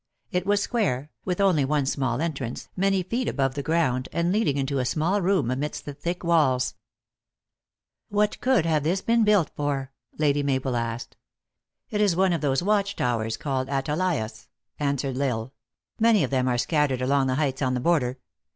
It was square, with only one small entrance, many feet above the ground, and leading into a small room amidst the thick walls. " What could this have been built for ?" Lady Mabel asked. "It is one of those watch towers called atalaias" answered L Isle. " Many of them are scattered along the heights on the border.